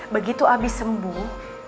begitu abi sembuh